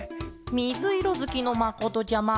みずいろずきのまことちゃま。